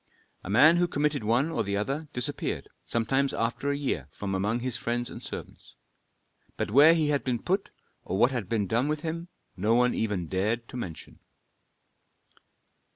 A man who committed one or the other disappeared, sometimes after a year, from among his friends and servants. But where he had been put or what had been done with him, no one even dared to mention.